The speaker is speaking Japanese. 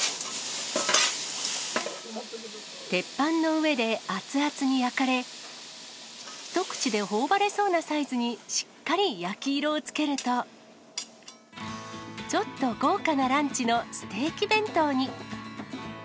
鉄板の上で熱々に焼かれ、一口でほおばれそうなサイズにしっかり焼き色を付けると、ちょっと豪華なランチのステーキ弁当に。